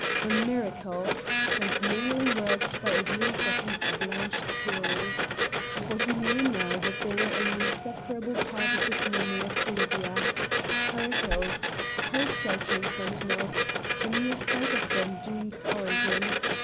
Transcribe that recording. A miracle! and mainly worked by a glimpse of these blanched hills. For he knew now they were an inseparable part of his memory of Olivia, her hills, her sheltering sentinels, the mere sight of them Doom's orison.